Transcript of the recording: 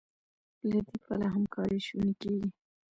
له دې پله همکاري شونې کېږي.